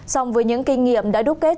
song với những kinh nghiệm đã đúc kết